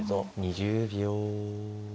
２０秒。